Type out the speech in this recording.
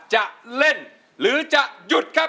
จะเล่นหรือจะหยุดครับ